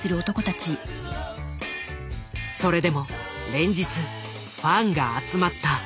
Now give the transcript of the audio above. それでも連日ファンが集まった。